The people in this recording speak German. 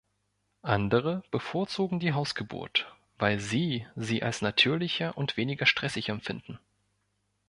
Andere bevorzugen die Hausgeburt, weil sie sie als natürlicher und weniger stressig empfinden.